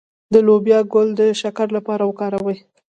د لوبیا ګل د شکر لپاره وکاروئ